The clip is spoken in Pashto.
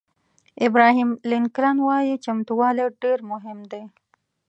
ابراهیم لینکلن وایي چمتووالی ډېر مهم دی.